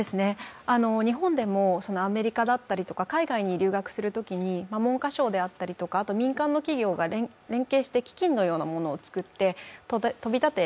日本でもアメリカだったり海外に留学するときに文科省であったり、あと民間の企業が連携して基金のようなものを作って飛び立て！